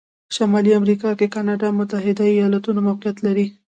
شمالي امریکا کې کانادا او متحتد ایالتونه موقعیت لري.